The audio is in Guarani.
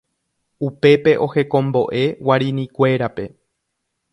upépe ohekombo'e Guarinikuérape